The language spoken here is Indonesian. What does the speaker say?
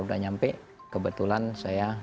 udah nyampe kebetulan saya